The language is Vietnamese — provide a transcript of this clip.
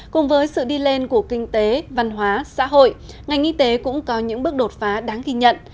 cùng với sự đi lên của kinh tế văn hóa xã hội ngành y tế cũng có những bước đột phá đáng ghi nhận